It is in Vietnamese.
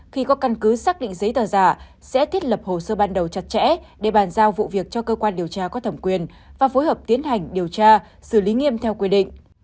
khi có căn cứ xác định giấy tờ giả sẽ thiết lập hồ sơ ban đầu chặt chẽ để bàn giao vụ việc cho cơ quan điều tra có thẩm quyền và phối hợp tiến hành điều tra xử lý nghiêm theo quy định